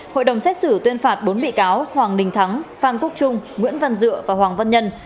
hội đồng xét xử tuyên phạt bốn bị cáo hoàng đình thắng phan quốc trung nguyễn văn dựa và hoàng văn nhân